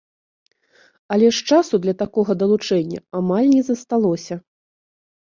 Але ж часу для такога далучэння амаль не засталося.